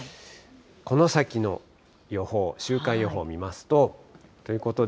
この先の予報、週間予報見ますと、ということで。